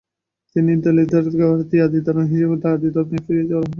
তিনি দলিতদেরকে "ভারতীয়দের আদি ধর্ম" হিসেবে আদি-ধর্মে ফিরে যাওয়ার আহ্বান জানান।